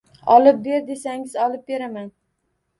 Olib ber, desangiz, olib beraman.